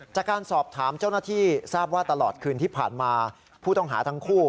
จากการสอบถามเจ้าหน้าที่ทราบว่าตลอดคืนที่ผ่านมาผู้ต้องหาทั้งคู่